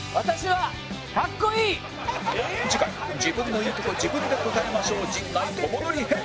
次回自分の良いトコ自分で答えましょう陣内智則編